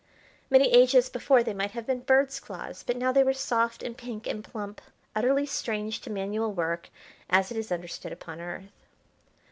Many ages before they might have been birds' claws, but now they were soft and pink and plump, utterly strange to manual work as it is understood upon Earth.